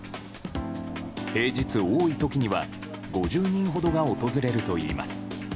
平日、多い時には５０人ほどが訪れるといいます。